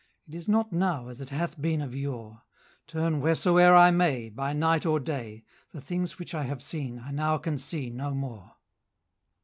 5 It is not now as it hath been of yore;— Turn wheresoe'er I may, By night or day, The things which I have seen I now can see no more.